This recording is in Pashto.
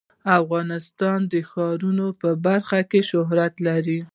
افغانستان د ښارونو په برخه کې شهرت لري.